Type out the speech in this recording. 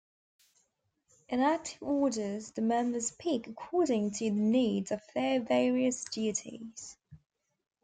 In active orders the members speak according to the needs of their various duties.